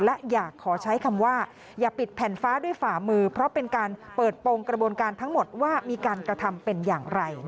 และอยากขอใช้คำว่าอย่าปิดแผ่นฟ้าด้วยฝ่ามือเพราะเป็นการเปิดโปรงกระบวนการทั้งหมดว่ามีการกระทำเป็นอย่างไร